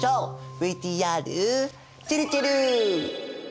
ＶＴＲちぇるちぇる！